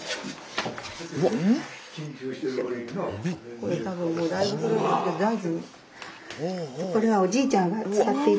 これ多分もうだいぶ古いんですけど大事に。